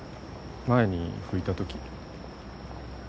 前に吹いた時。